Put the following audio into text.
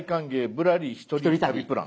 ぶらり１人旅プラン」。